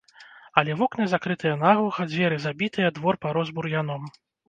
Але вокны закрытыя наглуха, дзверы забітыя, двор парос бур'яном.